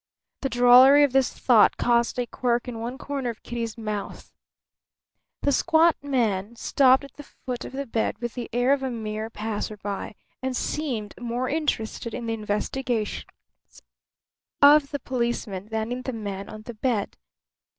The drollery of this thought caused a quirk in one corner of Kitty's mouth. The squat man stopped at the foot of the bed with the air of a mere passer by and seemed more interested in the investigations of the policeman than in the man on the bed.